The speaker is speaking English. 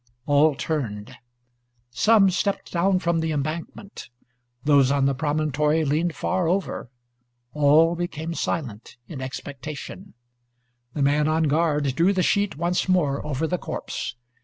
All turned. Some stepped down from the embankment. Those on the promontory leaned far over. All became silent, in expectation. The man on guard drew the sheet once more over the corpse.